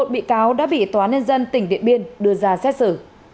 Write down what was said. một mươi một bị cáo đã bị tòa nên dân tỉnh điện biên đưa ra xét xử